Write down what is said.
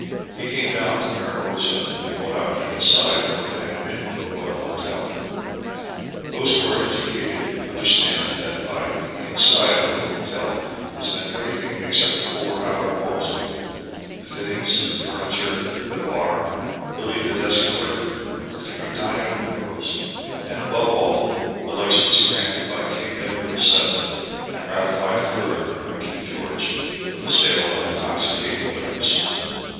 He came down to Mariposa and bought out the "inside" of what had been the Royal Hotel. Those who are educated understand that by the "inside" of a hotel is meant everything except the four outer walls of it the fittings, the furniture, the bar, Billy the desk clerk, the three dining room girls, and above all the license granted by King Edward VII., and ratified further by King George, for the sale of intoxicating liquors.